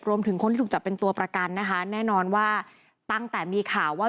รวมถึงคนที่ถูกจับเป็นตัวประกันนะคะแน่นอนว่าตั้งแต่มีข่าวว่า